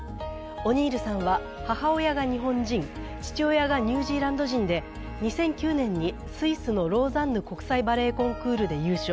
オニールさんは母親が日本人、父親がニュージーランド人で２００９年にスイスのローザンヌ国際バレエコンクールで優勝。